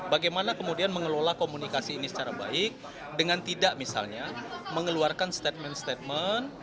bagaimana kemudian mengelola komunikasi ini secara baik dengan tidak misalnya mengeluarkan statement statement